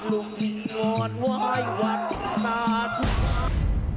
ลุงมิงวอนไหว้วัดอุตสาธุการณ์